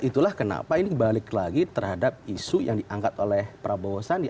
itulah kenapa ini balik lagi terhadap isu yang diangkat oleh prabowo sandi